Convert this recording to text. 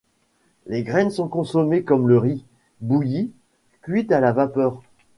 Les graines sont consommées comme le riz, bouillies, cuites à la vapeur...